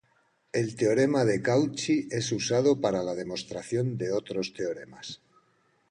El teorema de Cauchy es usado para la demostración de otros teoremas.